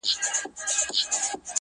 o مه کوه گمان د ليوني گلي .